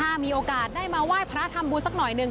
ถ้ามีโอกาสได้มาไหว้พระทำบุญสักหน่อยหนึ่ง